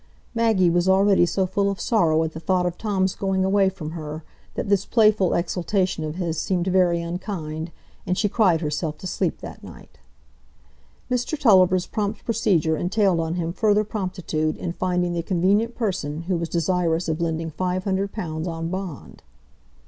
Maggie was already so full of sorrow at the thought of Tom's going away from her, that this playful exultation of his seemed very unkind, and she cried herself to sleep that night. Mr Tulliver's prompt procedure entailed on him further promptitude in finding the convenient person who was desirous of lending five hundred pounds on bond.